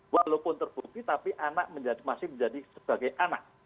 walaupun terbukti tapi anak masih menjadi sebagai anak